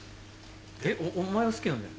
えっお前は好きなんだよな？